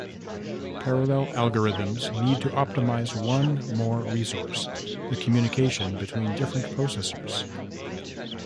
Parallel algorithms need to optimize one more resource, the communication between different processors.